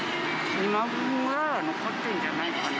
２万ぐらいは残ってるんじゃないかな。